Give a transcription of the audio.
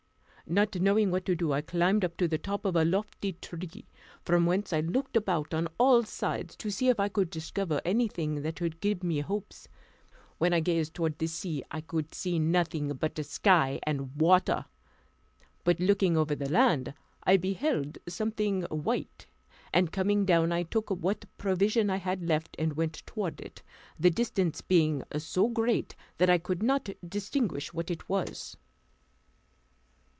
Not knowing what to do, I climbed up to the top of a lofty tree, from whence I looked about on all sides, to see if I could discover anything that could give me hopes. When I gazed toward the sea I could see nothing but sky and water; but looking over the land, I beheld something white; and coming down, I took what provision I had left and went toward it, the distance being so great, that I could not distinguish what it was.